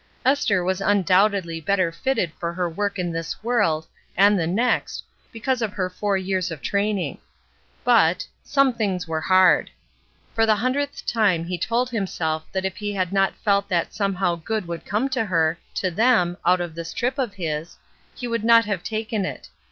Esther was undoubtedly better fitted for her work in this world and the next because of her four years of training. But — some things were hard. For the hundredth time he told himself that if he had not felt that some how good would come to her, to them, out of this trip of his, he could not have taken it.